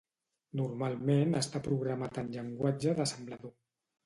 Normalment està programat en llenguatge d'assemblador.